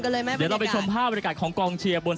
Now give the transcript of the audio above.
เราเราไปชอบวันไกลของกองเชียร์